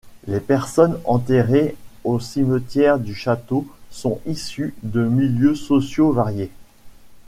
Les personnes enterrées au cimetière du château sont issues de milieux sociaux variés.